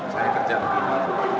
saya kerjaan vokasian